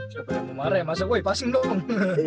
siapa yang mau marah ya masa gue passing doang